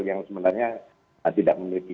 yang sebenarnya tidak memiliki